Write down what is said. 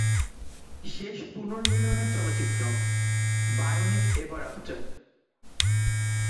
শেষ পুনর্মিলনের চলচ্চিত্র, বায়োনিক এভার আফটার?